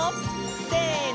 せの！